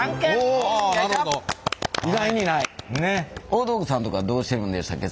大道具さんとかどうしてるんでしたっけ？